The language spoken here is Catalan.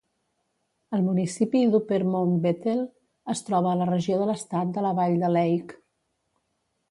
El municipi d'Upper Mount Bethel es troba a la regió de l'estat de la vall de Lehigh.